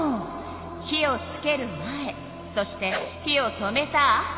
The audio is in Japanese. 火をつける前そして火を止めたあと。